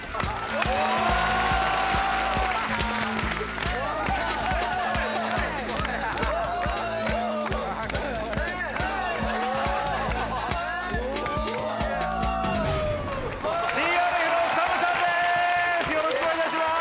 よろしくお願いします！